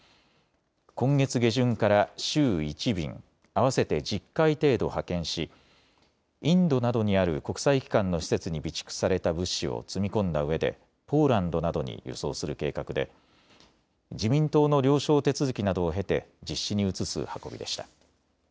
今月下旬から週１便、合わせて１０回程度、派遣しインドなどにある国際機関の施設に備蓄された物資を積み込んだうえでポーランドなどに輸送する計画で自民党の了承手続きなどを経て実施に移す運びでした。